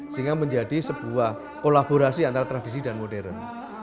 sehingga menjadi sebuah kolaborasi antara tradisi dan modern